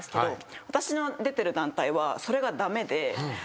私の出てる団体はそれが駄目で。